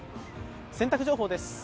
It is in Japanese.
洗濯情報です。